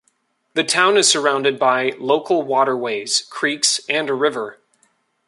The Town is surrounded by local waterways, creeks and a river.